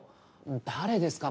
誰ですか？